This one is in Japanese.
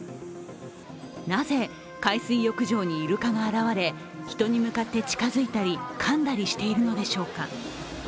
なぜ海水浴場にイルカが現れ人に向かって近づいたり、かんだりしているのでしょうか。